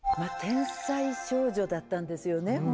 天才少女だったんですよね。